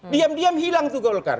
diam diam hilang tugolkar